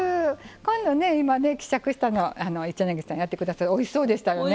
今ね希釈したの一柳さんやって下さっておいしそうでしたよね。